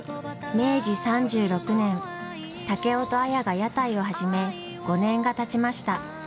明治３６年竹雄と綾が屋台を始め５年がたちました。